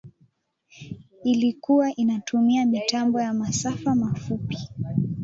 ilikua inatumia mitambo ya masafa mafupi ,